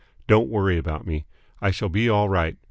Don't worry about me. I shall be all right.